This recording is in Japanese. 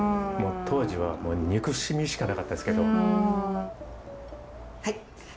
当時はもう憎しみしかなかったですけど。